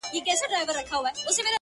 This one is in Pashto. زه لاس په سلام سترگي راواړوه;